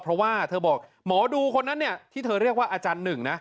เพราะว่าเธอบอกหมอดูคนนั้นเนี่ยที่เธอเรียกว่าอาจารย์หนึ่งนะ